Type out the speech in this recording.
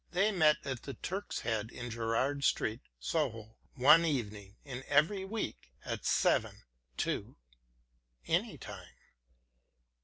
They met at the Turk's Head in Gerrard Street, Soho, one evening in every week at seven to — any time.